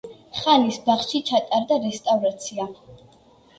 ხანის ბაღში ჩატარდა რესტავრაცია.